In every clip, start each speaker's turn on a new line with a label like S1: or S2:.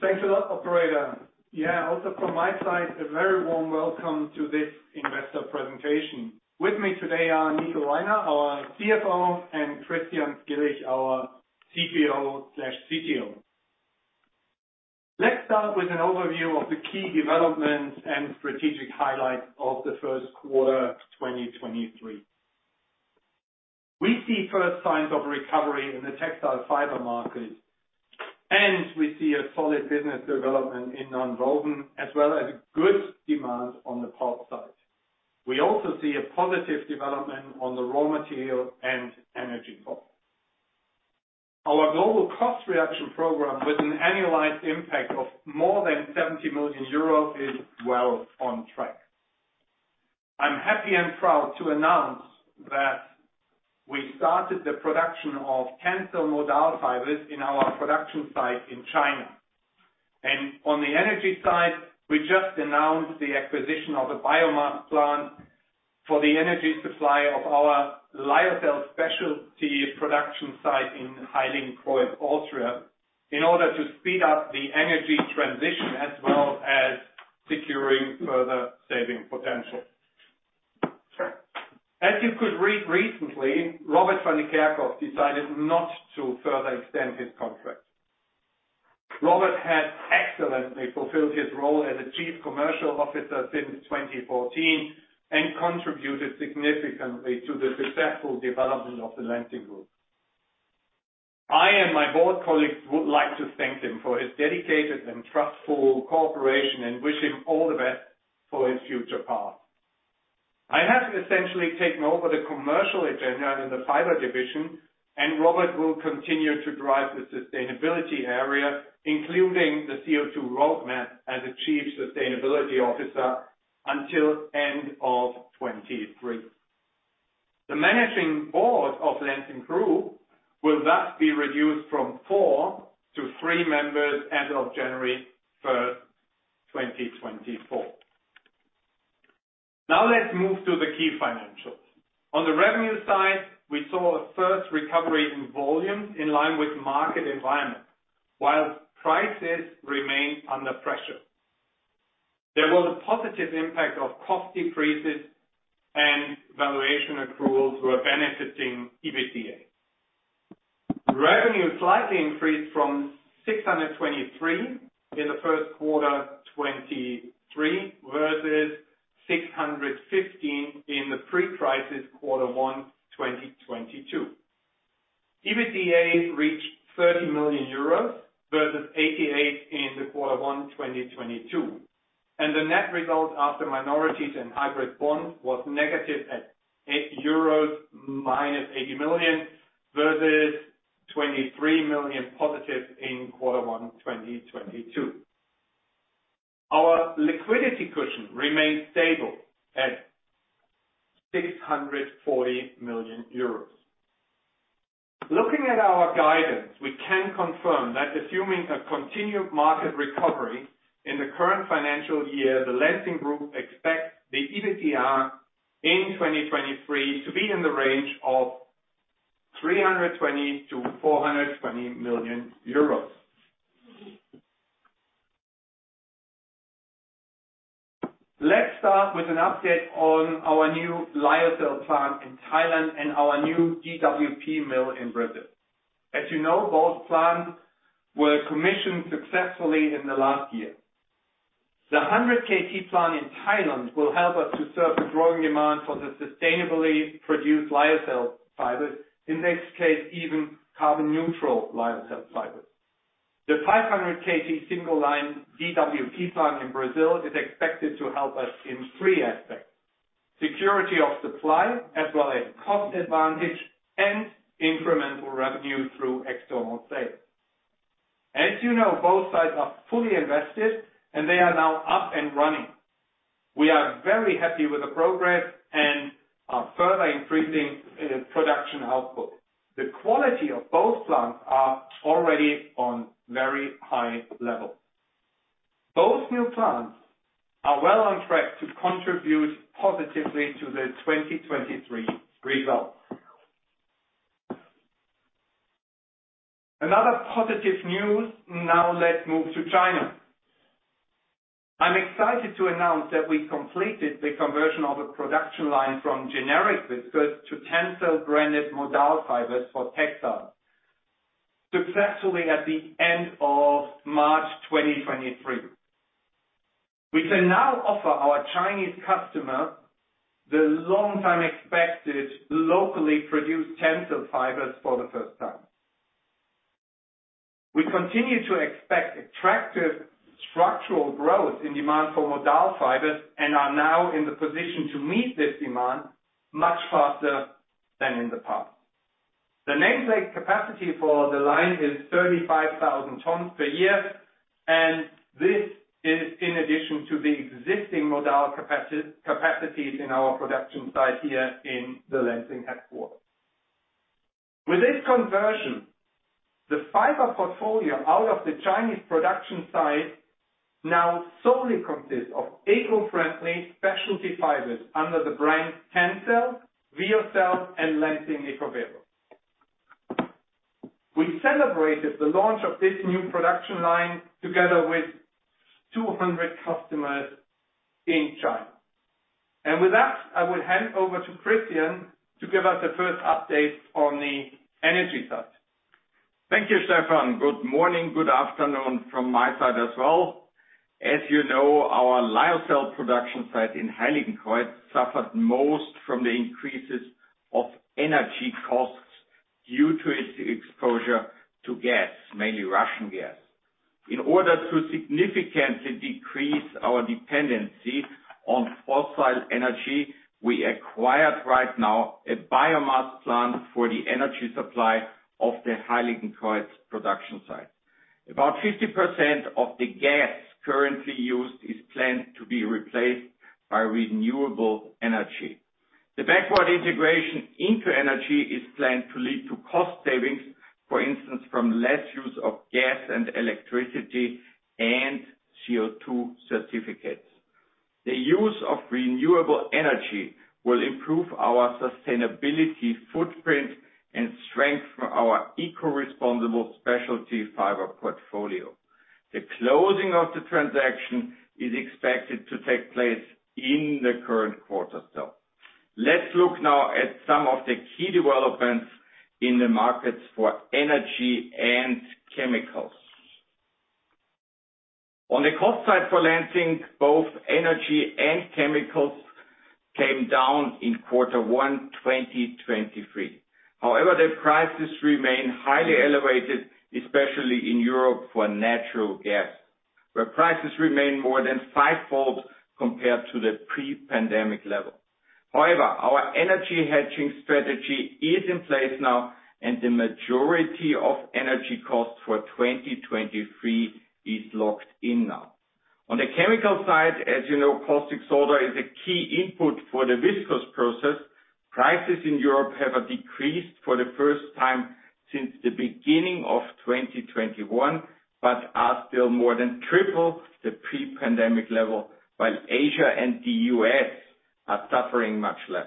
S1: Thanks a lot, operator. Also from my side, a very warm welcome to this investor presentation. With me today are Nico Reiner, our CFO, and Christian Skilich, our CPO/CTO. Let's start with an overview of the key developments and strategic highlights of the first quarter, 2023. We see first signs of recovery in the textile fiber market, and we see a solid business development in nonwoven, as well as good demand on the pulp side. We also see a positive development on the raw material and energy front. Our global cost reaction program, with an annualized impact of more than 70 million euros, is well on track. I'm happy and proud to announce that we started the production of TENCEL Modal fibers in our production site in China. On the energy side, we just announced the acquisition of a biomass plant for the energy supply of our Lyocell specialty production site in Heiligenkreuz, Austria, in order to speed up the energy transition as well as securing further saving potential. As you could read recently, Robert van de Kerkhof decided not to further extend his contract. Robert had excellently fulfilled his role as a chief commercial officer since 2014, and contributed significantly to the successful development of the Lenzing Group. I and my board colleagues would like to thank him for his dedicated and trustful cooperation and wish him all the best for his future path. I have essentially taken over the commercial agenda in the fiber division, and Robert will continue to drive the sustainability area, including the CO2 roadmap as a chief sustainability officer until end of 2023. The managing board of Lenzing Group will thus be reduced from four to three members as of January 1st, 2024. Let's move to the key financials. On the revenue side, we saw a first recovery in volume in line with market environment, while prices remained under pressure. There was a positive impact of cost decreases and valuation accruals were benefiting EBITDA. Revenue slightly increased from 623 in the first quarter 2023, versus 615 in the pre-crisis Q1 2022. EBITDA reached 30 million euros versus 88 in the Q1 2022, the net result after minorities and hybrid bonds was negative at 8 euros, minus 80 million euros, versus 23 million positive in Q1 2022. Our liquidity cushion remains stable at 640 million euros. Looking at our guidance, we can confirm that assuming a continued market recovery in the current financial year, the Lenzing Group expects the EBITDA in 2023 to be in the range of 320 million-400 million euros. Let's start with an update on our new Lyocell plant in Thailand and our new DWP mill in Brazil. As you know, both plants were commissioned successfully in the last year. The 100 KT plant in Thailand will help us to serve the growing demand for the sustainably produced Lyocell fibers. In this case, even carbon neutral Lyocell fibers. The 500 KT single line DWP plant in Brazil is expected to help us in three aspects, security of supply, as well as cost advantage and incremental revenue through external sales. As you know, both sites are fully invested and they are now up and running. We are very happy with the progress and are further increasing production output. The quality of both plants are already on very high level. Both new plants are well on track to contribute positively to the 2023 results. Another positive news. Let's move to China. I'm excited to announce that we completed the conversion of a production line from generic viscose to TENCEL branded Modal fibers for textile successfully at the end of March 2023. We can now offer our Chinese customer the long time expected locally produced TENCEL fibers for the first time. We continue to expect attractive structural growth in demand for modal fibers and are now in the position to meet this demand much faster than in the past. The nameplate capacity for the line is 35,000 tons per year, and this is in addition to the existing modal capacities in our production site here in the Lenzing. With this conversion, the fiber portfolio out of the Chinese production site now solely consists of eco-friendly specialty fibers under the brand TENCEL, VEOCEL, and LENZING ECOVERO. We celebrated the launch of this new production line together with 200 customers in China. With that, I will hand over to Christian to give us the first update on the energy side.
S2: Thank you, Stephan. Good morning, good afternoon from my side as well. As you know, our Lyocell production site in Heiligenkreuz suffered most from the increases of energy costs due to its exposure to gas, mainly Russian gas. In order to significantly decrease our dependency on fossil energy, we acquired right now a biomass plant for the energy supply of the Heiligenkreuz production site. About 50% of the gas currently used is planned to be replaced by renewable energy. The backward integration into energy is planned to lead to cost savings, for instance, from less use of gas and electricity and CO2 certificates. The use of renewable energy will improve our sustainability footprint and strengthen our eco-responsible specialty fiber portfolio. The closing of the transaction is expected to take place in the current quarter. Let's look now at some of the key developments in the markets for energy and chemicals. On the cost side for Lenzing, both energy and chemicals came down in Q1 2023. The prices remain highly elevated, especially in Europe, for natural gas, where prices remain more than five-fold compared to the pre-pandemic level. Our energy hedging strategy is in place now, and the majority of energy costs for 2023 is locked in now. On the chemical side, as you know, caustic soda is a key input for the viscose process. Prices in Europe have decreased for the first time since the beginning of 2021, but are still more than triple the pre-pandemic level, while Asia and the U.S. are suffering much less.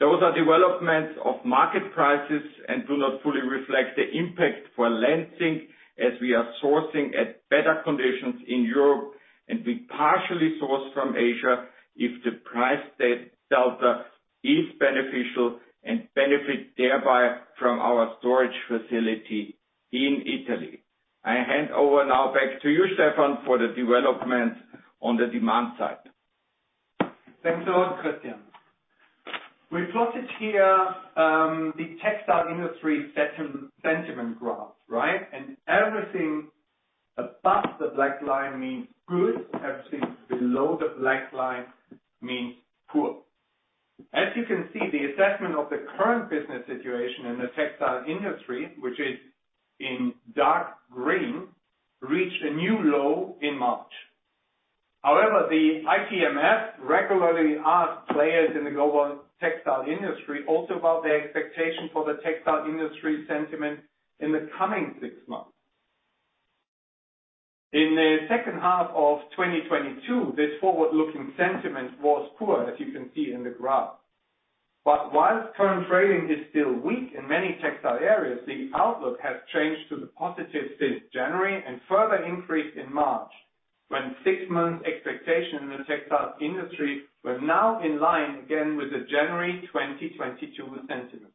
S2: Those are developments of market prices and do not fully reflect the impact for Lenzing as we are sourcing at better conditions in Europe and we partially source from Asia if the price delta is beneficial and benefit thereby from our storage facility in Italy. I hand over now back to you, Stephan, for the development on the demand side.
S1: Thanks a lot, Christian. We plotted here, the textile industry sentiment graph, right? Everything above the black line means good, everything below the black line means poor. As you can see, the assessment of the current business situation in the textile industry, which is in dark green, reached a new low in March. However, the ITMF regularly asks players in the global textile industry also about their expectation for the textile industry sentiment in the coming six months. In the second half of 2022, this forward-looking sentiment was poor, as you can see in the graph. Whilst current trading is still weak in many textile areas, the outlook has changed to the positive since January and further increased in March, when six-month expectation in the textile industry were now in line again with the January 2022 sentiment.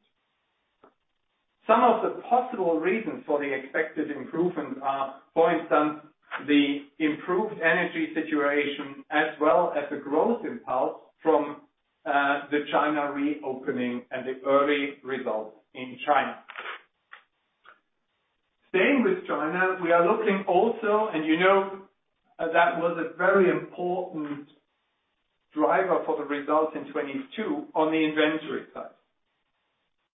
S1: Some of the possible reasons for the expected improvements are, for instance, the improved energy situation as well as the growth impulse from the China reopening and the early results in China. Staying with China, we are looking also, and you know that was a very important driver for the results in 2022 on the inventory side.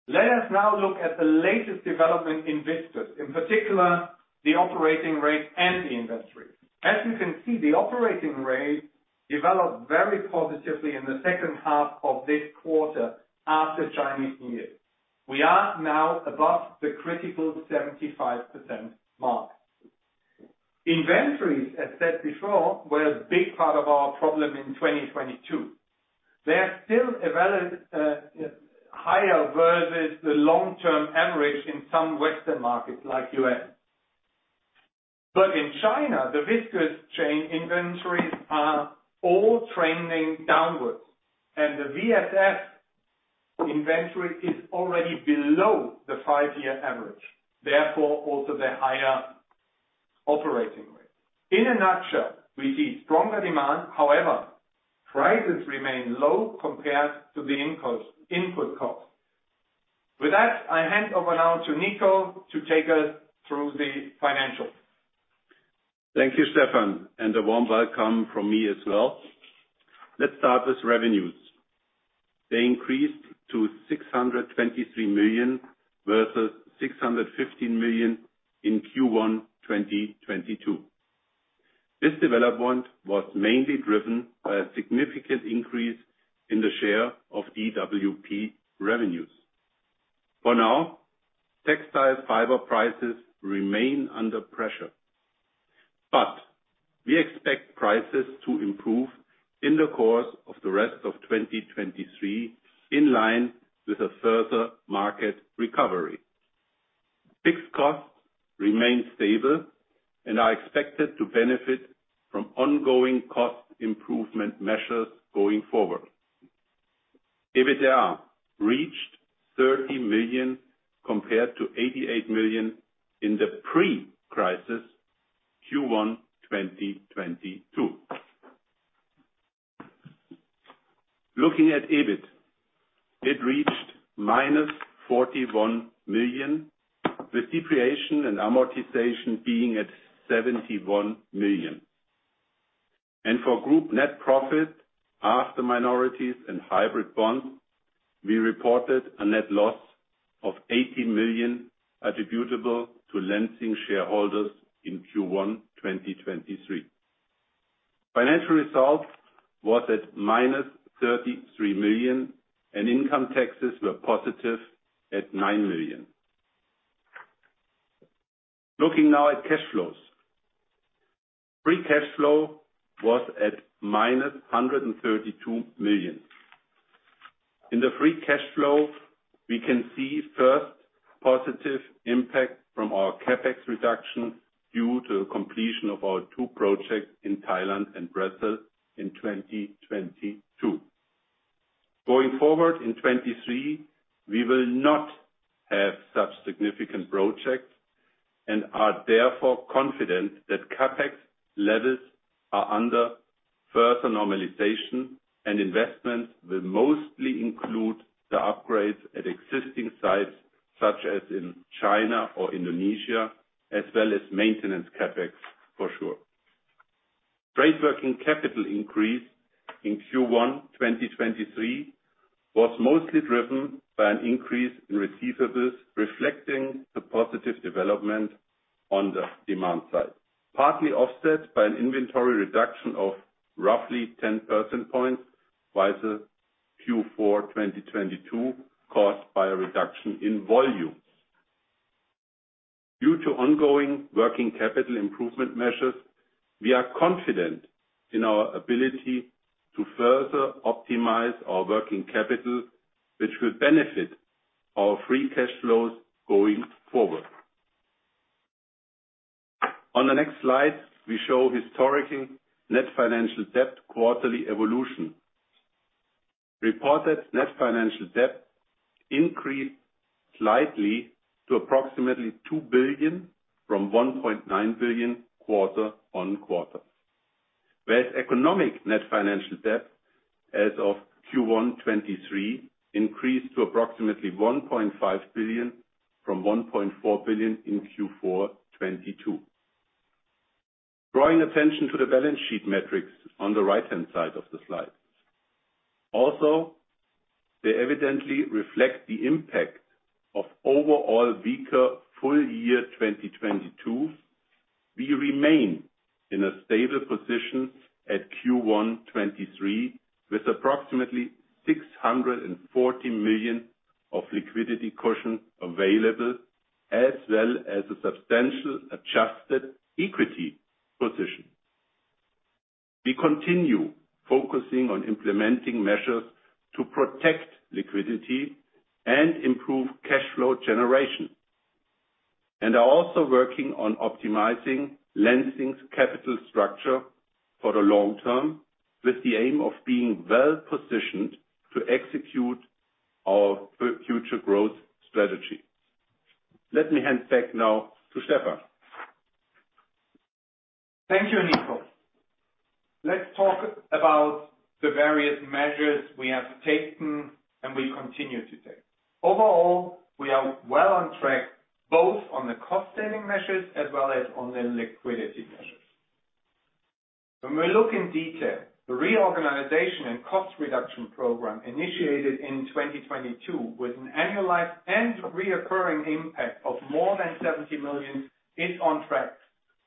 S1: Let us now look at the latest development in viscose, in particular, the operating rate and the inventory. As you can see, the operating rate developed very positively in the second half of this quarter after Chinese New Year. We are now above the critical 75% mark. Inventories, as said before, were a big part of our problem in 2022. They are still elevated higher versus the long-term average in some Western markets like U.S. In China, the viscose chain inventories are all trending downwards, and the VSF inventory is already below the five-year average, therefore, also the higher operating rate. In a nutshell, we see stronger demand. However, prices remain low compared to the incost, input cost. With that, I hand over now to Nico to take us through the financials.
S3: Thank you, Stephan, and a warm welcome from me as well. Let's start with revenues. They increased to 623 million versus 615 million in Q1 2022. This development was mainly driven by a significant increase in the share of DWP revenues. For now, textile fiber prices remain under pressure. We expect prices to improve in the course of the rest of 2023 in line with a further market recovery. Fixed costs remain stable and are expected to benefit from ongoing cost improvement measures going forward. EBITDA reached 30 million compared to 88 million in the pre-crisis Q1 2022. Looking at EBIT, it reached minus 41 million, depreciation and amortization being at 71 million. For group net profit after minorities and hybrid bonds, we reported a net loss of 80 million attributable to Lenzing shareholders in Q1 2023. Financial results was at minus 33 million. Income taxes were positive at 9 million. Looking now at cash flows. Free cash flow was at minus 132 million. In the free cash flow, we can see first positive impact from our CapEx reduction due to completion of our two projects in Thailand and Brazil in 2022. Going forward in 2023, we will not have such significant projects and are therefore confident that CapEx levels are under further normalization, and investments will mostly include the upgrades at existing sites, such as in China or Indonesia, as well as maintenance CapEx for sure. Trade working capital increase in Q1 2023 was mostly driven by an increase in receivables, reflecting the positive development on the demand side, partly offset by an inventory reduction of roughly 10 percentage points by the Q4 2022, caused by a reduction in volume. Due to ongoing working capital improvement measures, we are confident in our ability to further optimize our working capital, which will benefit our free cash flows going forward. On the next slide, we show historically net financial debt quarterly evolution. Reported net financial debt increased slightly to approximately 2 billion from 1.9 billion quarter on quarter, whereas economic net financial debt as of Q1 2023 increased to approximately 1.5 billion from 1.4 billion in Q4 2022. Drawing attention to the balance sheet metrics on the right-hand side of the slide. They evidently reflect the impact of overall weaker full-year 2022. We remain in a stable position at Q1 2023, with approximately 640 million of liquidity cushion available, as well as a substantial adjusted equity position. We continue focusing on implementing measures to protect liquidity and improve cash flow generation, are also working on optimizing Lenzing's capital structure for the long term, with the aim of being well-positioned to execute our future growth strategy. Let me hand back now to Stephan.
S1: Thank you, Niko. Let's talk about the various measures we have taken and we continue to take. Overall, we are well on track, both on the cost-saving measures as well as on the liquidity measures. When we look in detail, the reorganization and cost reduction program initiated in 2022 with an annualized and reoccurring impact of more than 70 million is on track,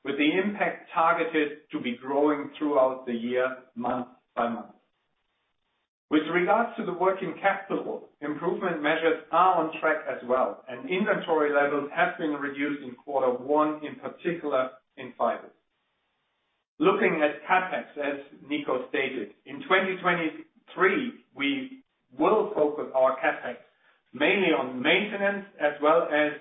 S1: with the impact targeted to be growing throughout the year, month by month. With regards to the working capital, improvement measures are on track as well, and inventory levels have been reduced in quarter one, in particular in fibers. Looking at CapEx, as Niko stated, in 2023, we will focus our CapEx mainly on maintenance as well as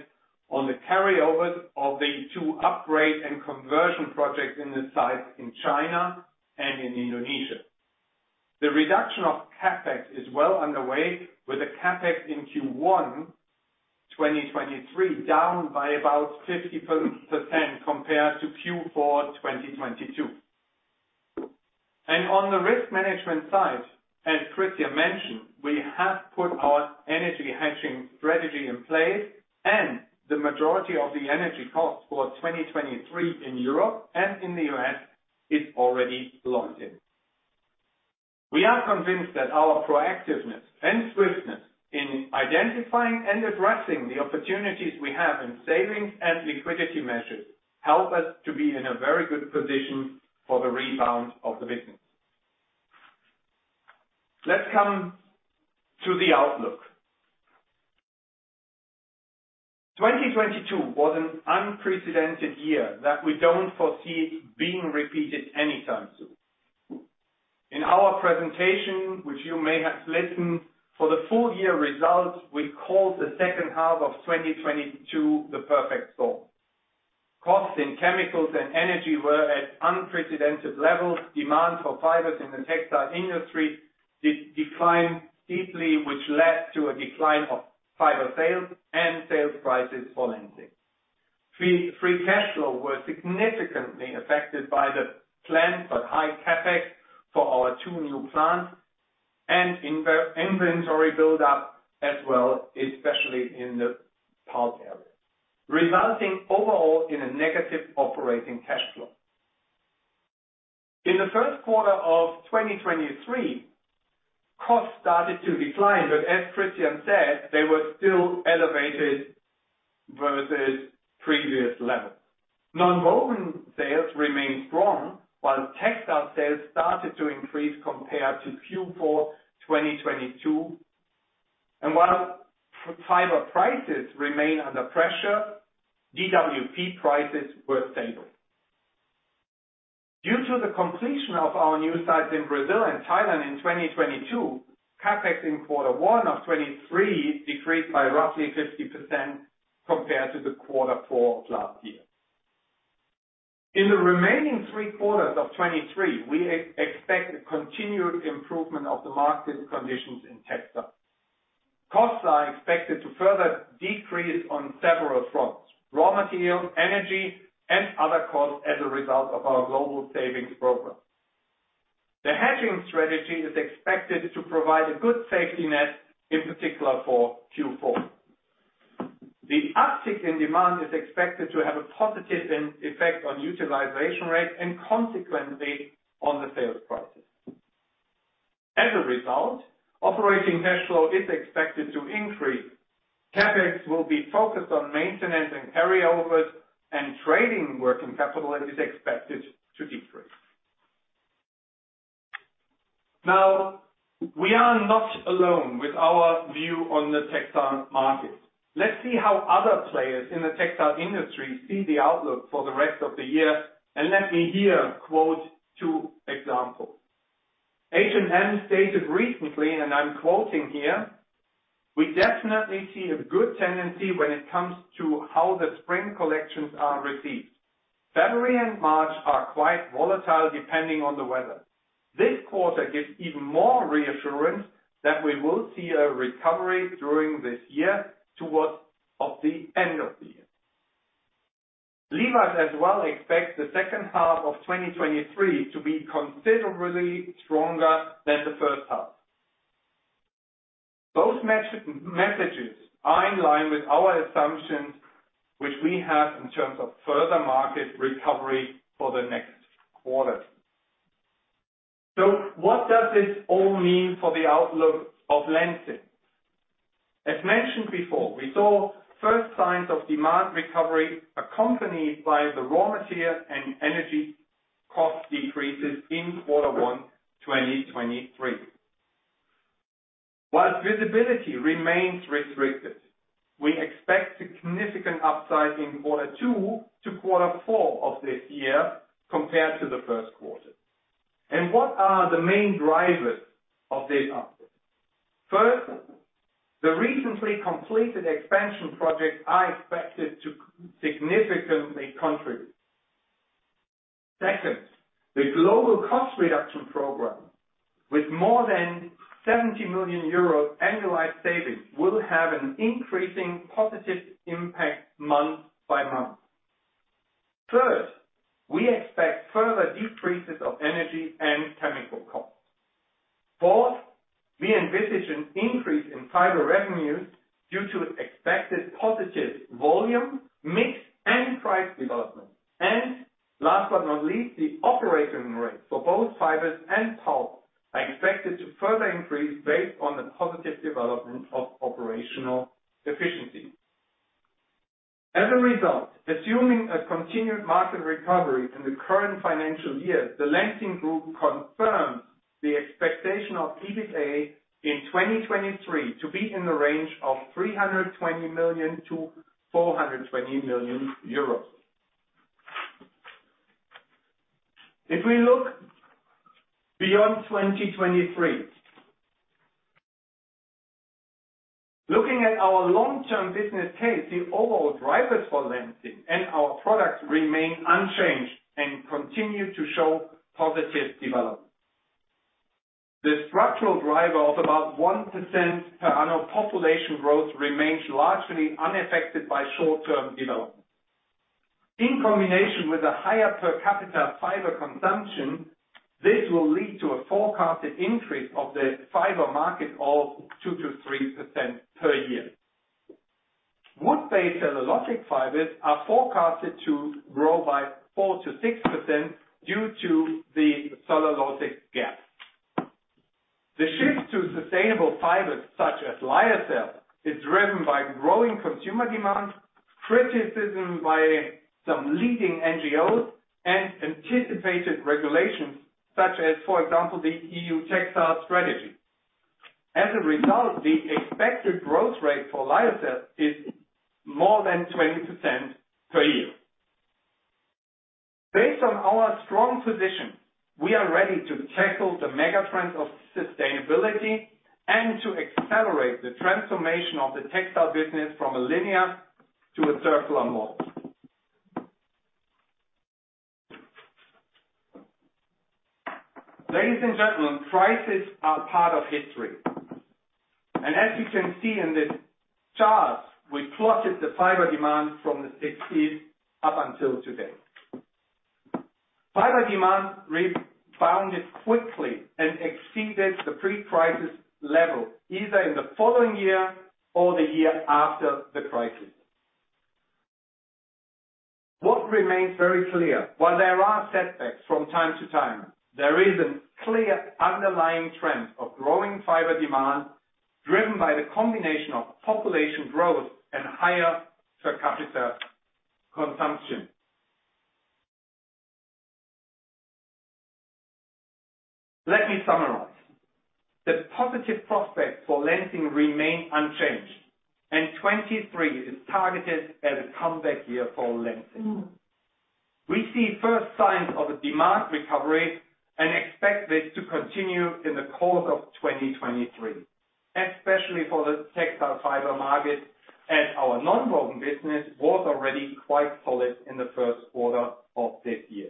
S1: on the carryovers of the two upgrade and conversion projects in the sites in China and in Indonesia. The reduction of CapEx is well underway with the CapEx in Q1 2023, down by about 50% compared to Q4 2022. On the risk management side, as Christian mentioned, we have put our energy hedging strategy in place and the majority of the energy costs for 2023 in Europe and in the U.S. is already locked in. We are convinced that our proactiveness and swiftness in identifying and addressing the opportunities we have in savings and liquidity measures help us to be in a very good position for the rebound of the business. Let's come to the outlook. 2022 was an unprecedented year that we don't foresee being repeated anytime soon. In our presentation, which you may have listened, for the full-year results, we called the second half of 2022 the perfect storm. Costs in chemicals and energy were at unprecedented levels. Demand for fibers in the textile industry did decline deeply, which led to a decline of fiber sales and sales prices for Lenzing. Free cash flow were significantly affected by the planned but high CapEx for our two new plants and inventory buildup as well, especially in the pulp area, resulting overall in a negative operating cash flow. In the first quarter of 2023, costs started to decline, as Christian said, they were still elevated versus previous levels. Nonwoven sales remained strong, textile sales started to increase compared to Q4 2022. Fiber prices remain under pressure, DWP prices were stable. Due to the completion of our new sites in Brazil and Thailand in 2022, CapEx in quarter one of 2023 decreased by roughly 50% compared to the quarter four of last year. In the remaining three quarters of 23, we expect a continued improvement of the market conditions in textile. Costs are expected to further decrease on several fronts, raw materials, energy, and other costs as a result of our global savings program. The hedging strategy is expected to provide a good safety net, in particular for Q4. The uptick in demand is expected to have a positive effect on utilization rate and consequently on the sales prices. Operating cash flow is expected to increase. CapEx will be focused on maintenance and carryovers, and trade working capital is expected to decrease. We are not alone with our view on the textile market. Let's see how other players in the textile industry see the outlook for the rest of the year, and let me here quote two examples. H&M stated recently, and I'm quoting here, "We definitely see a good tendency when it comes to how the spring collections are received. February and March are quite volatile depending on the weather. This quarter gives even more reassurance that we will see a recovery during this year towards of the end of the year." Lemars as well expect the second half of 2023 to be considerably stronger than the first half. Those messages are in line with our assumptions, which we have in terms of further market recovery for the next quarters. What does this all mean for the outlook of Lenzing? As mentioned before, we saw first signs of demand recovery accompanied by the raw material and energy cost decreases in quarter one, 2023. While visibility remains restricted, we expect significant upside in Q2 to Q4 of this year compared to the Q1. What are the main drivers of this uptick? First, the recently completed expansion projects are expected to significantly contribute. Second, the global cost reduction program with more than 70 million euros annualized savings will have an increasing positive impact month by month. Third, we expect further decreases of energy and chemical costs. Fourth, we envisage an increase in fiber revenues due to expected positive volume, mix, and price development. Last but not least, the operating rates for both fibers and pulp are expected to further increase based on the positive development of operational efficiency. As a result, assuming a continued market recovery in the current financial year, the Lenzing Group confirms the expectation of EBITDA in 2023 to be in the range of 320 million-420 million euros. If we look beyond 2023. Looking at our long-term business case, the overall drivers for Lenzing and our products remain unchanged and continue to show positive development. The structural driver of about 1% per annual population growth remains largely unaffected by short-term development. In combination with a higher per capita fiber consumption, this will lead to a forecasted increase of the fiber market of 2%-3% per year. Wood-based cellulosic fibers are forecasted to grow by 4%-6% due to the cellulosic gap. The shift to sustainable fibers such as Lyocell is driven by growing consumer demand. Criticism by some leading NGOs and anticipated regulations such as, for example, the EU Textile Strategy. As a result, the expected growth rate for Lyocell is more than 20% per year. Based on our strong position, we are ready to tackle the mega-trends of sustainability and to accelerate the transformation of the textile business from a linear to a circular model. Ladies and gentlemen, crises are part of history. As you can see in this chart, we plotted the fiber demand from the sixties up until today. Fiber demand rebounded quickly and exceeded the pre-crisis level, either in the following year or the year after the crisis. What remains very clear, while there are setbacks from time to time, there is a clear underlying trend of growing fiber demand driven by the combination of population growth and higher per capita consumption. Let me summarize. The positive prospects for Lenzing remain unchanged, and 2023 is targeted as a comeback year for Lenzing. We see first signs of a demand recovery and expect this to continue in the course of 2023, especially for the textile fiber market as our nonwoven business was already quite solid in the first quarter of this year.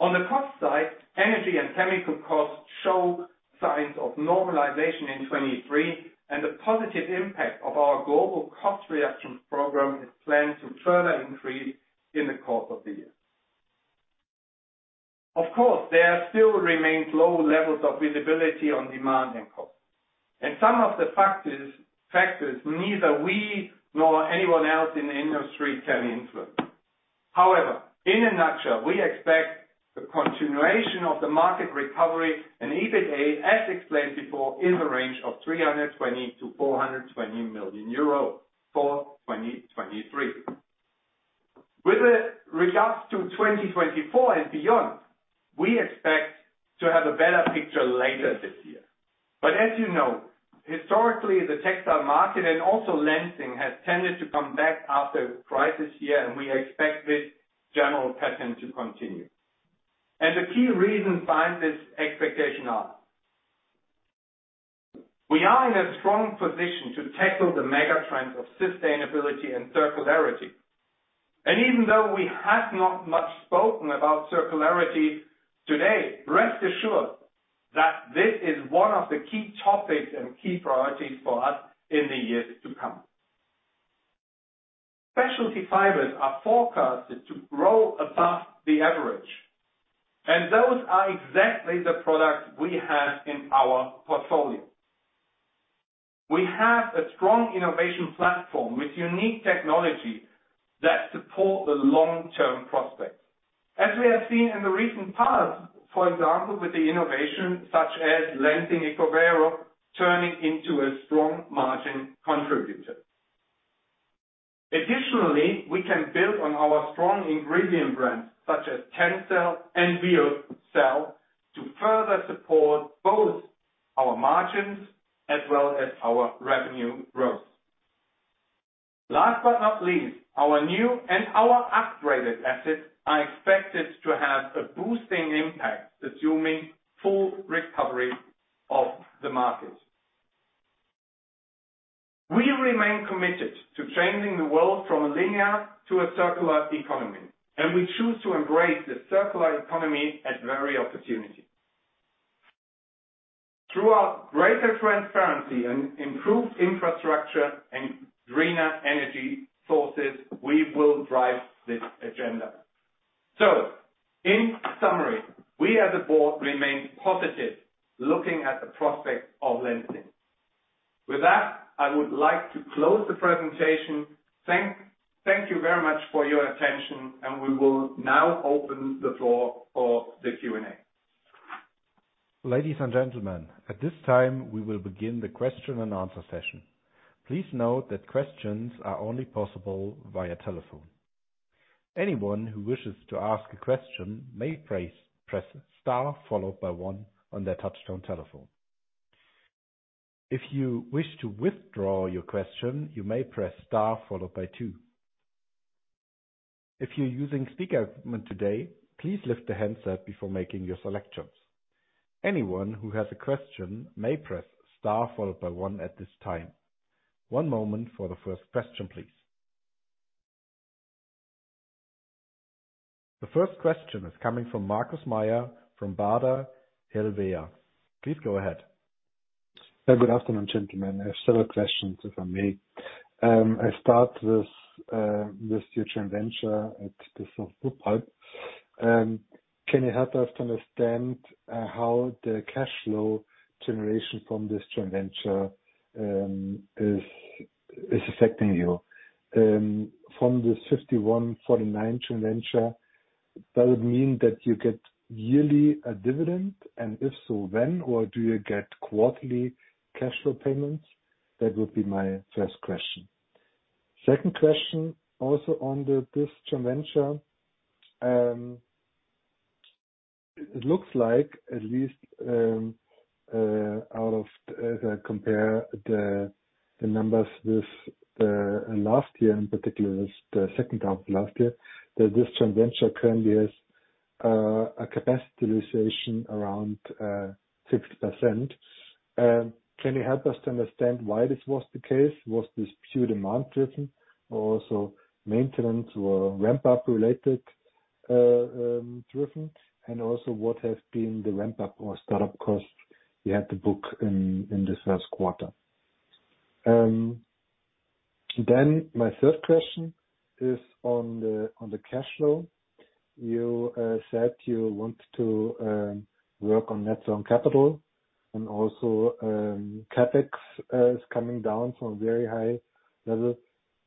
S1: On the cost side, energy and chemical costs show signs of normalization in 2023, and the positive impact of our global cost reaction program is planned to further increase in the course of the year. Of course, there still remains low levels of visibility on demand and cost. Some of the factors neither we nor anyone else in the industry can influence. However, in a nutshell, we expect the continuation of the market recovery and EBITDA, as explained before, in the range of 320 million-420 million euros for 2023. With regards to 2024 and beyond, we expect to have a better picture later this year. As you know, historically, the textile market and also Lenzing has tended to come back after crisis year, and we expect this general pattern to continue. The key reasons behind this expectation are: We are in a strong position to tackle the mega-trends of sustainability and circularity. Even though we have not much spoken about circularity today, rest assured that this is one of the key topics and key priorities for us in the years to come. Specialty fibers are forecasted to grow above the average, and those are exactly the products we have in our portfolio. We have a strong innovation platform with unique technology that support the long-term prospects. As we have seen in the recent past, for example, with the innovation such as LENZING ECOVERO, turning into a strong margin contributor. Additionally, we can build on our strong ingredient brands such as TENCEL and VEOCEL, to further support both our margins as well as our revenue growth. Last but not least, our new and our upgraded assets are expected to have a boosting impact, assuming full recovery of the market. We remain committed to changing the world from a linear to a circular economy, and we choose to embrace the circular economy at every opportunity. Through our greater transparency and improved infrastructure and greener energy sources, we will drive this agenda. In summary, we as a board remain positive looking at the prospect of Lenzing. With that, I would like to close the presentation. Thank you very much for your attention. We will now open the floor for the Q&A.
S4: Ladies and gentlemen, at this time, we will begin the question and answer session. Please note that questions are only possible via telephone. Anyone who wishes to ask a question may press star followed by one on their touch-tone telephone. If you wish to withdraw your question, you may press star followed by two. If you're using speaker phone today, please lift the handset before making your selections. Anyone who has a question may press star followed by one at this time. One moment for the first question, please. The first question is coming from Markus Mayer from Baader Helvea. Please go ahead.
S5: Good afternoon, gentlemen. I have several questions, if I may. I start with this joint venture at the. Can you help us to understand how the cash flow generation from this joint venture is affecting you? From the 51-49 joint venture. That would mean that you get yearly dividend, and if so, when, or do you get quarterly cash flow payments? That would be my first question. Second question, also on this joint venture. It looks like at least out of... If I compare the numbers with the last year, in particular, the second half of last year, that this joint venture currently has a capacity utilization around 60%. Can you help us to understand why this was the case? Was this pure demand driven or also maintenance or ramp-up related driven? What has been the ramp-up or start-up costs you had to book in this first quarter? My third question is on the cash flow. You said you want to work on net working capital and also CapEx is coming down from a very high level.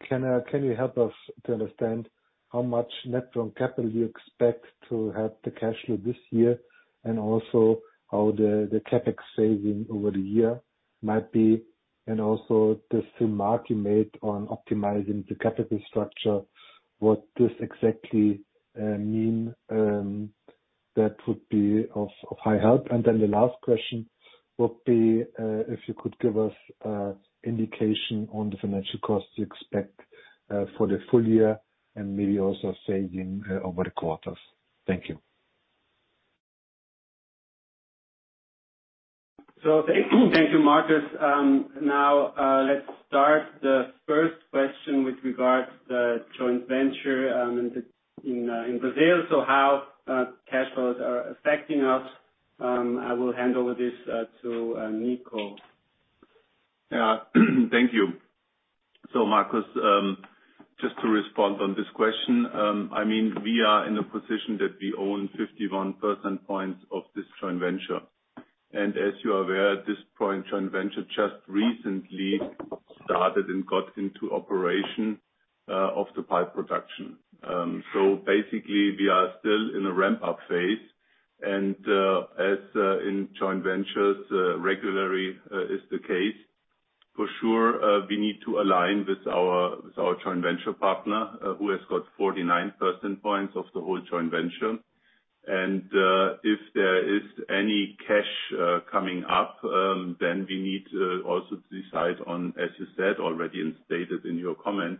S5: Can you help us to understand how much net working capital you expect to help the cash flow this year? How the CapEx saving over the year might be, and also this remark you made on optimizing the capital structure, what this exactly mean? That would be of high help. The last question would be, if you could give us indication on the financial costs you expect, for the full-year and maybe also saving, over the quarters. Thank you.
S1: Thank you, thank you, Markus Mayer. Now, let's start the first question with regards to the joint venture, in Brazil. How cash flows are affecting us. I will hand over this to Nico Reiner.
S3: Yeah. Thank you. Markus, just to respond on this question. I mean, we are in a position that we own 51 percentage points of this joint venture, and as you are aware, this joint venture just recently started and got into operation of the pulp production. Basically, we are still in a ramp-up phase, and as in joint ventures regularly is the case, for sure, we need to align with our joint venture partner, who has got 49 percentage points of the whole joint venture. If there is any cash coming up, then we need to also decide on, as you said already and stated in your comment,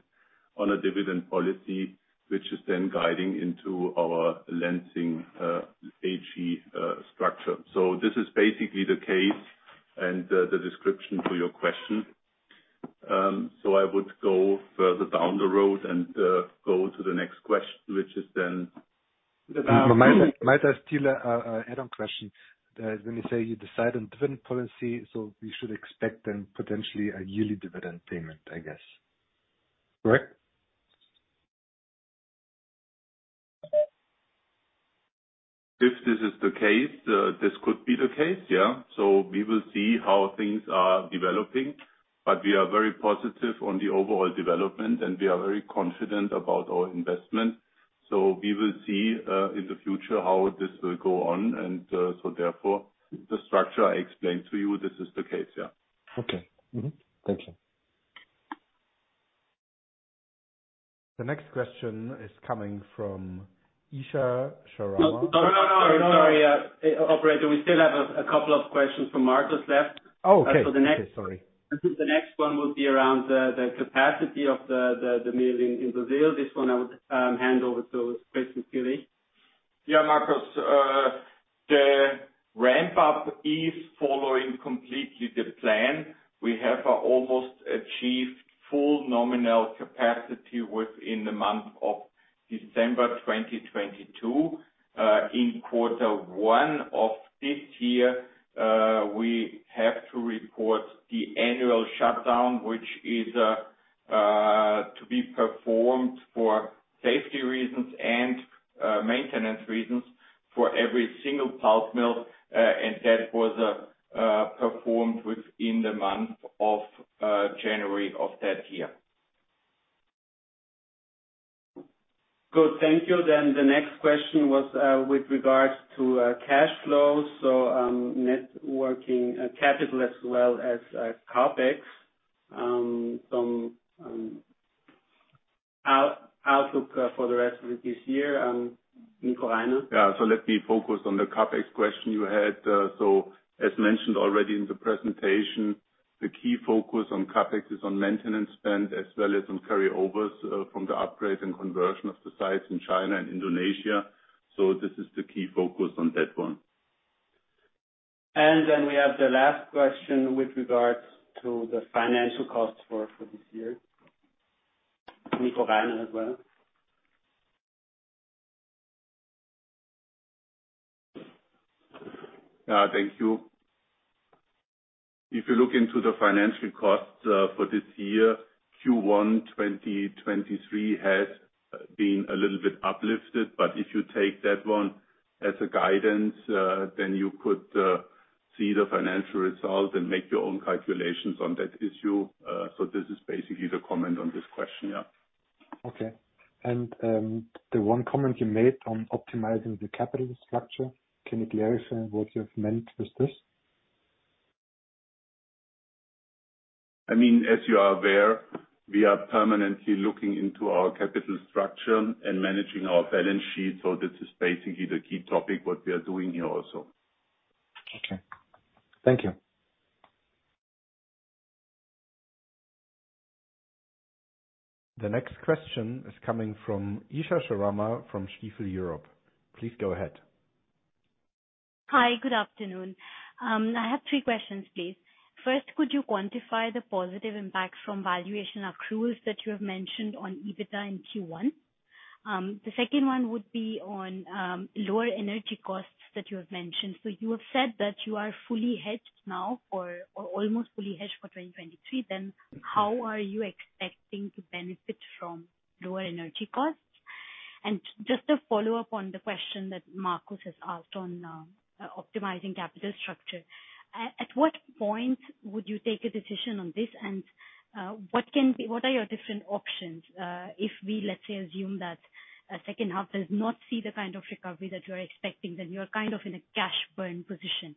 S3: on a dividend policy, which is then guiding into our Lenzing AG structure. This is basically the case and the description to your question. I would go further down the road and go to the next which is then.
S5: Might I steal a add-on question? When you say you decide on dividend policy, we should expect then potentially a yearly dividend payment, I guess. Correct?
S3: If this is the case, this could be the case, yeah. We will see how things are developing, but we are very positive on the overall development, and we are very confident about our investment. We will see, in the future how this will go on. Therefore, the structure I explained to you, this is the case, yeah.
S5: Okay. Mm-hmm. Thank you.
S4: The next question is coming from Isha Sharma.
S1: No, no. Sorry, operator, we still have a couple of questions from Markus left.
S4: Oh, okay. Sorry.
S1: The next one will be around the capacity of the mill in Brazil. This one I would hand over to Christian Skilich.
S2: Yeah, Markus. The ramp up is following completely the plan. We have almost achieved full nominal capacity within the month of December 2022. In quarter one of this year, we have to report the annual shutdown, which is to be performed for safety reasons and maintenance reasons for every single pulp mill. That was performed within the month of January of that year.
S1: Good. Thank you. The next question was with regards to cash flows, so net working capital as well as CapEx, some outlook for the rest of this year. Nico Reiner?
S3: Yeah. Let me focus on the CapEx question you had. As mentioned already in the presentation, the key focus on CapEx is on maintenance spend as well as on carryovers from the upgrade and conversion of the sites in China and Indonesia. This is the key focus on that one.
S1: we have the last question with regards to the financial costs for this year. Nico Reiner as well.
S3: Thank you. If you look into the financial costs for this year, Q1 2023 has been a little bit uplifted. If you take that one as a guidance, then you could.
S1: See the financial results and make your own calculations on that issue. This is basically the comment on this question. Yeah. Okay. The one comment you made on optimizing the capital structure, can you clarify what you have meant with this? I mean, as you are aware, we are permanently looking into our capital structure and managing our balance sheet. This is basically the key topic, what we are doing here also. Okay. Thank you.
S4: The next question is coming from Isha Sharma from Stifel Europe. Please go ahead.
S6: Hi, good afternoon. I have 3 questions, please. First, could you quantify the positive impact from valuation accruals that you have mentioned on EBITDA in Q1? The second one would be on lower energy costs that you have mentioned. You have said that you are fully hedged now or almost fully hedged for 2023. How are you expecting to benefit from lower energy costs? Just a follow-up on the question that Markus has asked on optimizing capital structure. At what point would you take a decision on this, and what are your different options? If we, let's say, assume that second half does not see the kind of recovery that you're expecting, then you're kind of in a cash burn position.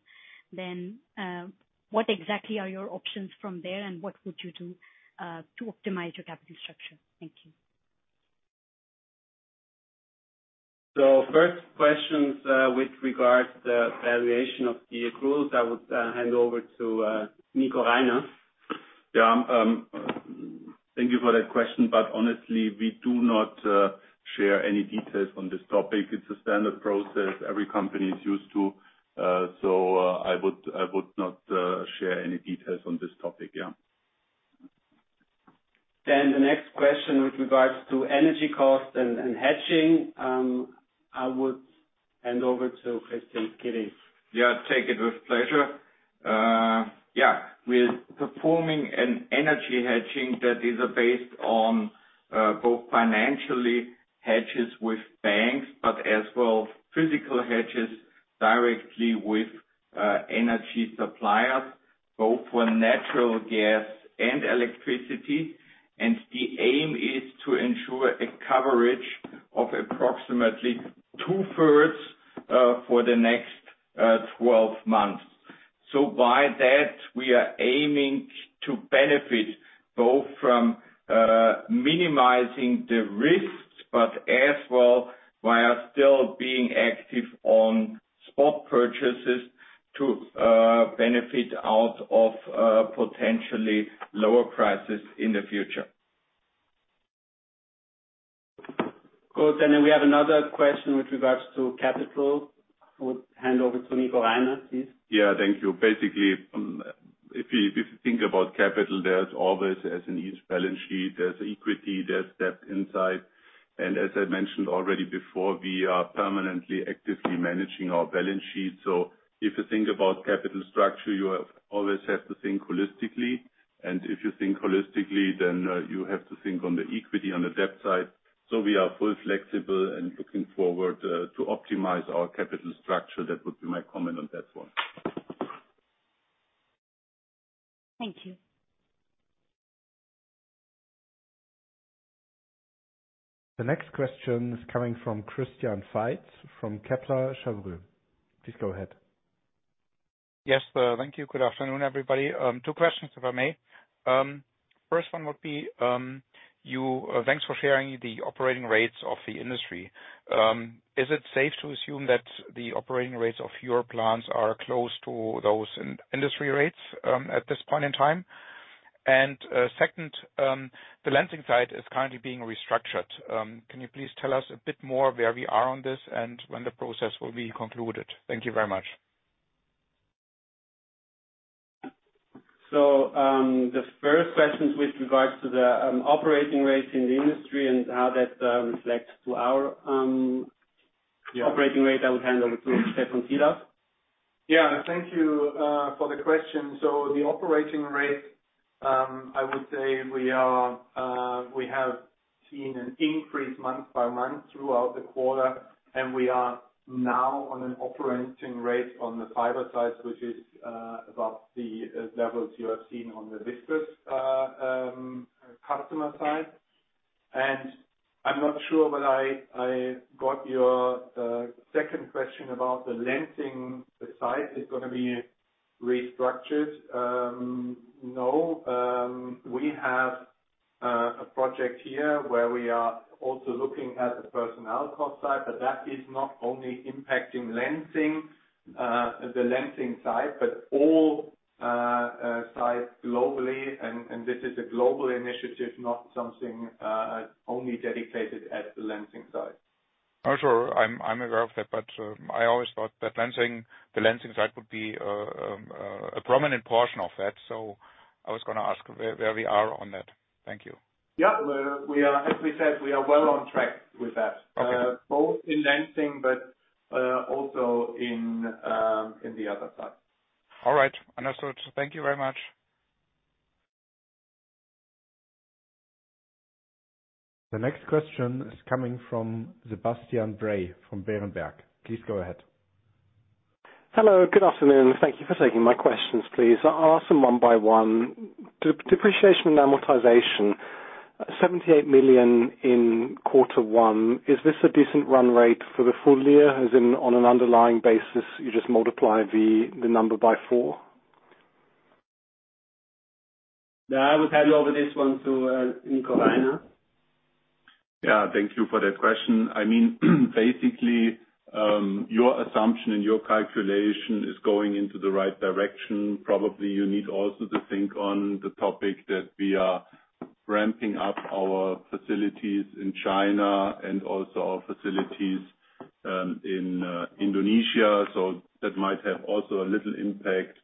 S6: What exactly are your options from there, and what would you do, to optimize your capital structure? Thank you.
S1: First questions, with regards to valuation of the accruals, I would hand over to Nico Reiner.
S3: Thank you for that question. Honestly, we do not share any details on this topic. It's a standard process every company is used to. I would not share any details on this topic.
S1: The next question with regards to energy costs and hedging, I would hand over to Christian Skilich.
S2: Yeah, I take it with pleasure. Yeah, we're performing an energy hedging that is based on both financially hedges with banks, but as well physical hedges directly with energy suppliers, both for natural gas and electricity. The aim is to ensure a coverage of approximately two-thirds for the next 12 months. By that, we are aiming to benefit both from minimizing the risks, but as well, while still being active on spot purchases to benefit out of potentially lower prices in the future.
S1: Good. Then we have another question with regards to capital. I would hand over to Nico Reiner, please.
S3: Yeah, thank you. Basically, if you, if you think about capital, there's always, as in each balance sheet, there's equity, there's debt inside. As I mentioned already before, we are permanently actively managing our balance sheet. If you think about capital structure, you always have to think holistically. If you think holistically, then you have to think on the equity on the debt side. We are full flexible and looking forward to optimize our capital structure. That would be my comment on that one.
S6: Thank you.
S4: The next question is coming from Christian Faitz from Kepler Cheuvreux. Please go ahead.
S7: Yes. Thank you. Good afternoon, everybody. 2 questions, if I may. First one would be, Thanks for sharing the operating rates of the industry. Is it safe to assume that the operating rates of your plants are close to those in industry rates, at this point in time? 2nd, the Lenzing site is currently being restructured. Can you please tell us a bit more where we are on this and when the process will be concluded? Thank you very much.
S1: The first questions with regards to the operating rates in the industry and how that reflects to our operating rate, I would hand over to Stephan Sielaff. Yeah. Thank you for the question. The operating rate, I would say we have seen an increase month by month throughout the quarter, and we are now on an operating rate on the fiber side, which is above the levels you have seen on the viscose customer side. I'm not sure, but I got your second question about the Lenzing site is gonna be restructured. No, we have a project here where we are also looking at the personnel cost side, but that is not only impacting Lenzing, the Lenzing side, but all sides globally. This is a global initiative, not something only dedicated at the Lenzing side.
S7: Sure. I'm aware of that. I always thought that Lenzing, the Lenzing side would be a prominent portion of that. I was gonna ask where we are on that. Thank you.
S1: Yeah. We are, as we said, we are well on track with that.
S7: Okay.
S1: Both in Lenzing, but, also in the other side.
S7: All right. Understood. Thank you very much.
S4: The next question is coming from Sebastian Bray from Berenberg. Please go ahead.
S8: Hello, good afternoon. Thank you for taking my questions, please. I'll ask them one by one. Depreciation and amortization, 78 million in quarter one. Is this a decent run rate for the full-year as in on an underlying basis, you just multiply the number by 4?
S2: Yeah, I would hand over this one to Nico Reiner now.
S3: Yeah, thank you for that question. I mean, basically, your assumption and your calculation is going into the right direction. Probably you need also to think on the topic that we are ramping up our facilities in China and also our facilities in Indonesia. That might have also a little impact.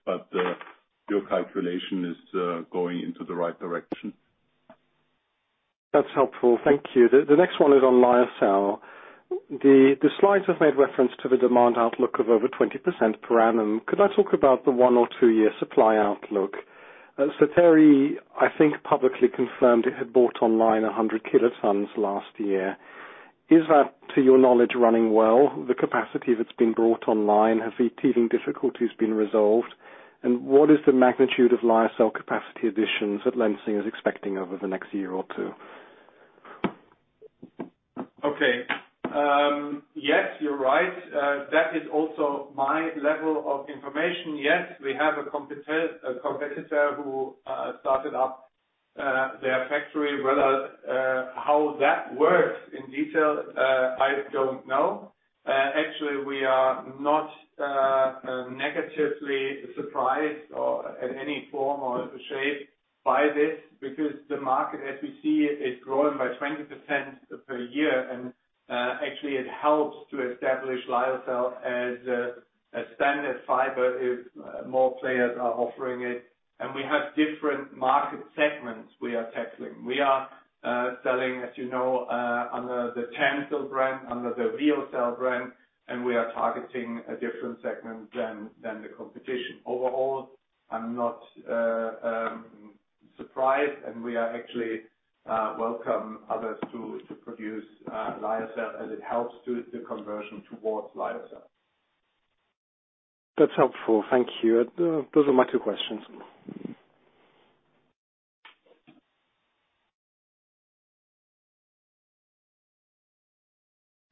S3: Your calculation is going into the right direction.
S8: That's helpful. Thank you. The next one is on lyocell. The slides have made reference to the demand outlook of over 20% per annum. Could I talk about the one or two-year supply outlook? Sateri, I think, publicly confirmed it had bought online 100 kilotons last year. Is that, to your knowledge, running well, the capacity that's been brought online? Have the teething difficulties been resolved? What is the magnitude of lyocell capacity additions that Lenzing is expecting over the next year or two?
S3: Okay. Yes, you're right. That is also my level of information. Yes, we have a competitor who started up their factory. Whether how that works in detail, I don't know. Actually, we are not negatively surprised or in any form or shape by this because the market, as we see it, is growing by 20% per year. Actually, it helps to establish Lyocell as a standard fiber if more players are offering it. We have different market segments we are tackling. We are selling, as you know, under the TENCEL brand, under the VEOCEL brand, and we are targeting a different segment than the competition. Overall, I'm not surprised, and we are actually welcome others to produce Lyocell as it helps suit the conversion towards Lyocell.
S8: That's helpful. Thank you. Those are my two questions.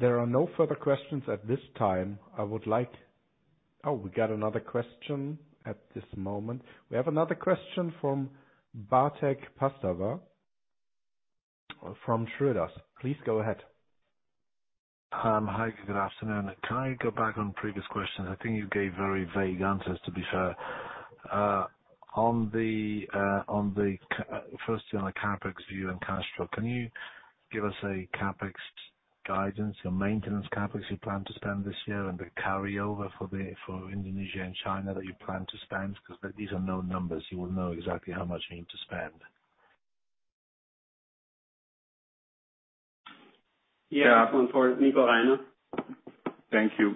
S4: There are no further questions at this time. Oh, we got another question at this moment. We have another question from Bartek Pastawa from Schroders. Please go ahead.
S9: Hi, good afternoon. Can I go back on previous questions? I think you gave very vague answers, to be fair. Firstly, on the CapEx view and cash flow, can you give us a CapEx guidance, your maintenance CapEx you plan to spend this year and the carryover for Indonesia and China that you plan to spend? These are known numbers. You will know exactly how much you need to spend.
S2: Yeah. One for Nico Reiner now.
S3: Thank you.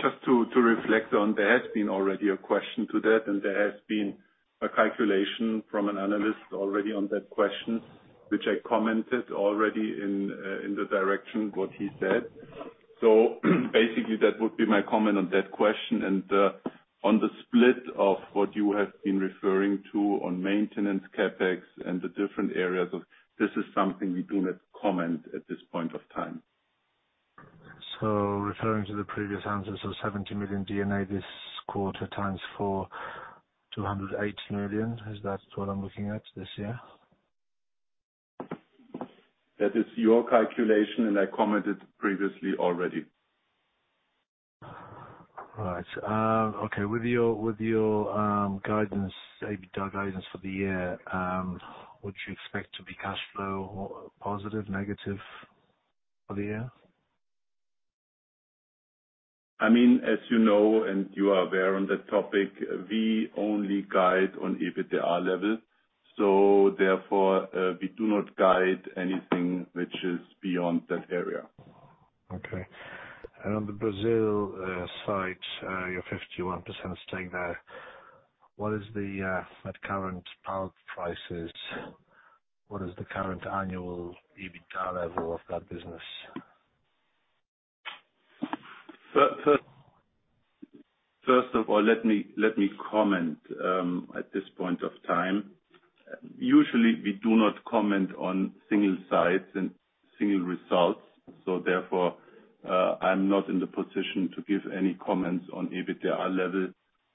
S3: Just to reflect on, there has been already a question to that, and there has been a calculation from an analyst already on that question, which I commented already in the direction of what he said. Basically, that would be my comment on that question. On the split of what you have been referring to on maintenance CapEx and the different areas of. This is something we do not comment at this point of time.
S9: Referring to the previous answers, so 70 million this quarter times four, 280 million. Is that what I'm looking at this year?
S3: That is your calculation, and I commented previously already.
S9: All right. Okay. With your guidance, EBITDA guidance for the year, would you expect to be cash flow positive, negative for the year?
S3: I mean, as you know, and you are aware on that topic, we only guide on EBITDA level. Therefore, we do not guide anything which is beyond that area.
S9: Okay. On the Brazil site, your 51% stake there, what is the at current pulp prices, what is the current annual EBITDA level of that business?
S3: First of all, let me comment, at this point of time. Usually, we do not comment on single sites and single results. Therefore, I'm not in the position to give any comments on EBITDA level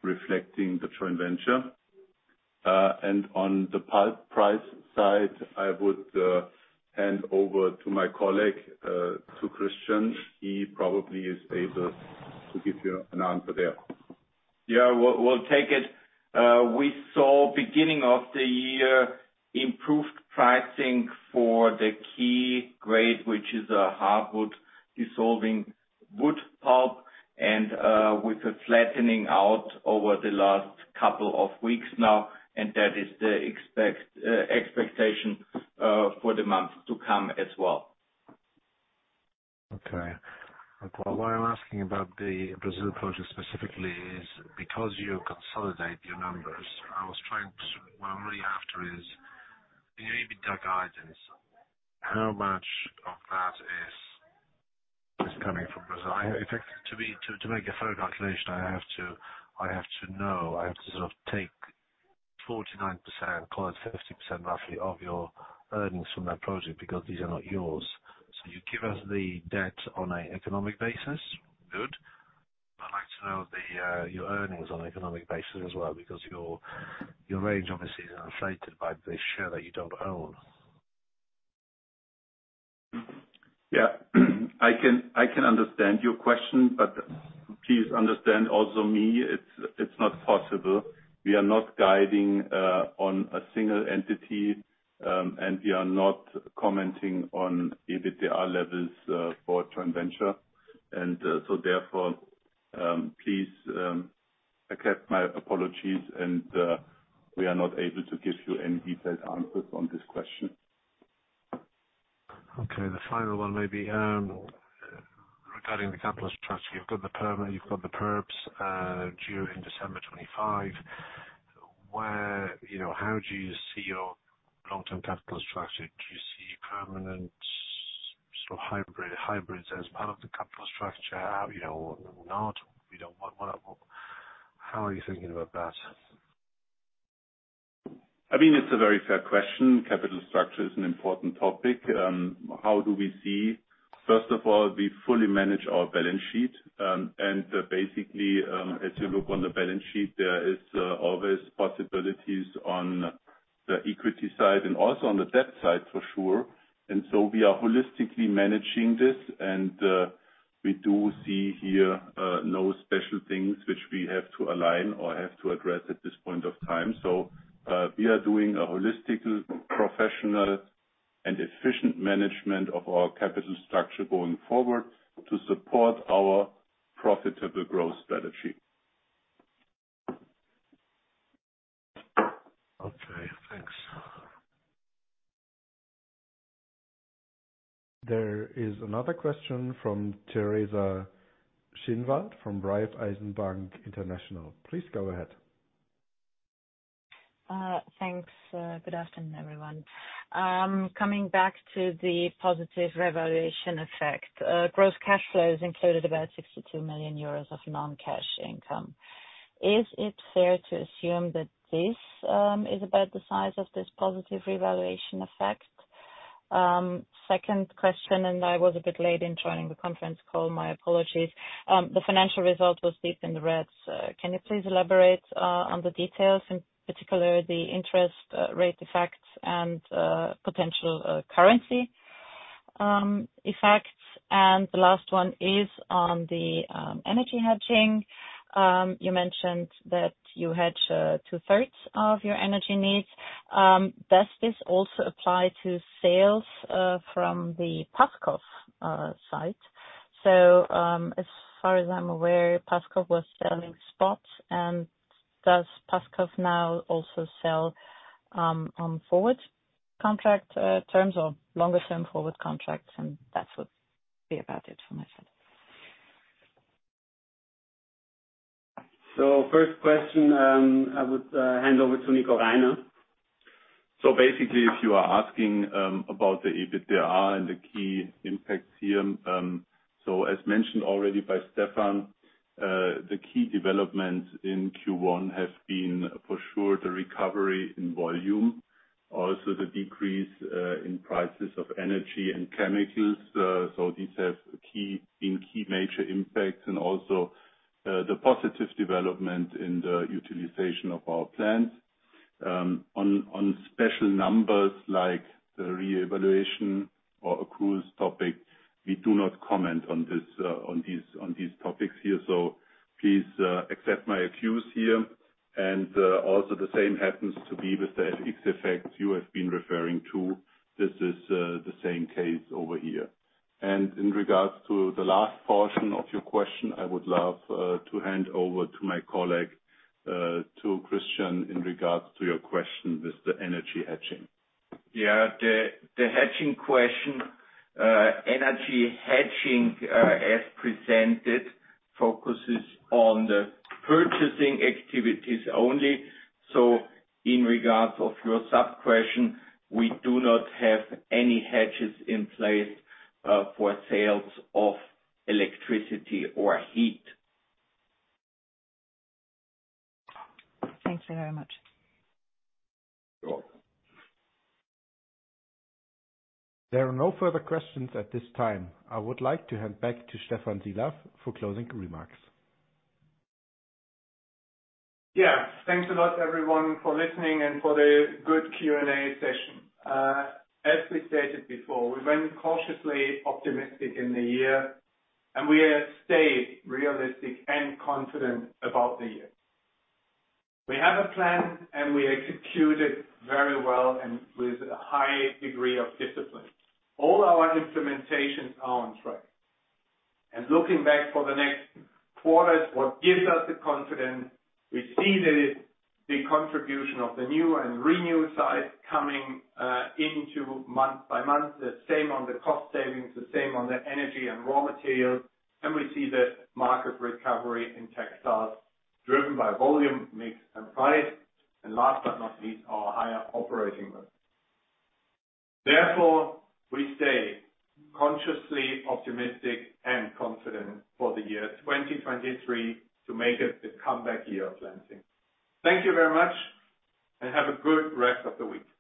S3: reflecting the joint venture. On the pulp price side, I would hand over to my colleague, to Christian. He probably is able to give you an answer there.
S2: Yeah. We'll take it. We saw beginning of the year improved pricing for the key grade, which is a hardwood dissolving wood pulp, and with a flattening out over the last couple of weeks now, and that is the expectation for the month to come as well.
S9: Well, why I'm asking about the Brazil project specifically is because you consolidate your numbers. What I'm really after is the EBITDA guidance. How much of that is coming from Brazil? To make a fair calculation, I have to know, I have to sort of take 49%, call it 50% roughly of your earnings from that project because these are not yours. You give us the debt on an economic basis. Good. I'd like to know your earnings on an economic basis as well, because your range obviously is inflated by the share that you don't own.
S3: Yeah. I can understand your question, but please understand also me, it's not possible. We are not guiding on a single entity, and we are not commenting on EBITDA levels for joint venture. Therefore, please accept my apologies and we are not able to give you any detailed answers on this question.
S9: Okay. The final one maybe, regarding the capital structure. You've got the perps, due in December 25. Where... You know, how do you see your long-term capital structure? Do you see permanent sort of hybrid, hybrids as part of the capital structure? You know, not, you know... How are you thinking about that?
S3: I mean, it's a very fair question. Capital structure is an important topic. How do we see? First of all, we fully manage our balance sheet. Basically, as you look on the balance sheet, there is always possibilities on the equity side and also on the debt side for sure. We are holistically managing this and we do see here no special things which we have to align or have to address at this point of time. We are doing a holistic, professional, and efficient management of our capital structure going forward to support our profitable growth strategy.
S9: Okay, thanks.
S4: There is another question from Teresa Schinwald from Raiffeisen Bank International. Please go ahead.
S10: Thanks. Good afternoon, everyone. Coming back to the positive revaluation effect, gross cash flows included about 62 million euros of non-cash income. Is it fair to assume that this is about the size of this positive revaluation effect? Second question, I was a bit late in joining the conference call, my apologies. The financial result was deep in the red, can you please elaborate on the details, in particular the interest rate effects and potential currency effects? The last one is on the energy hedging. You mentioned that you hedge two-thirds of your energy needs. Does this also apply to sales from the Paskov site? As far as I'm aware, Paskov was selling spots, does Paskov now also sell on forward contract terms or longer-term forward contracts? That would be about it for my side.
S3: First question, I would hand over to Nico Reiner. Basically if you are asking about the EBITDA and the key impacts here, as mentioned already by Stephan, the key developments in Q1 have been for sure the recovery in volume, also the decrease in prices of energy and chemicals. These have been key major impacts and also the positive development in the utilization of our plants. On special numbers like the reevaluation or accruals topic, we do not comment on these topics here. Please accept my excuse here. Also the same happens to be with the FX effects you have been referring to. This is the same case over here. In regards to the last portion of your question, I would love to hand over to my colleague, to Christian in regards to your question with the energy hedging. The hedging question, energy hedging, as presented, focuses on the purchasing activities only. In regards of your sub-question, we do not have any hedges in place for sales of electricity or heat.
S10: Thank you very much.
S3: You're welcome.
S4: There are no further questions at this time. I would like to hand back to Stephan Sielaff for closing remarks.
S1: Thanks a lot everyone for listening and for the good Q&A session. As we stated before, we went cautiously optimistic in the year, and we have stayed realistic and confident about the year. We have a plan, and we execute it very well and with a high degree of discipline. All our implementations are on track. Looking back for the next quarters, what gives us the confidence, we see the contribution of the new and renew side coming into month by month. The same on the cost savings, the same on the energy and raw materials. We see the market recovery in textiles driven by vol ume, mix, and price. Last but not least, our higher operating rates. Therefore, we stay consciously optimistic and confident for the year 2023 to make it the comeback year of Lenzing. Thank you very much, and have a good rest of the week.